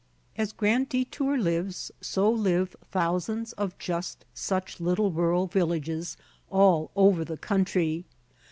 As Grand Detour lives, so live thousands of just such little rural villages all over the country.